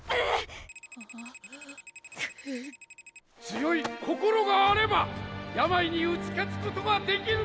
強い心があれば病に打ち勝つことができるのです。